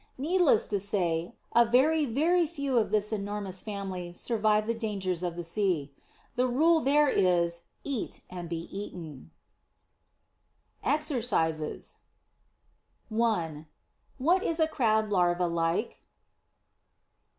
Needless to say, a very, very few of this enormous family survive the dangers of the sea. The rule there is "Eat and be eaten!". EXERCISES 1. What is a Crab larva like?